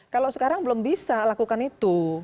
kalau sekarang belum bisa lakukan itu